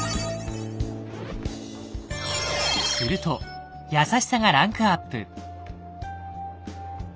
すると「優しさ」がランクアップ。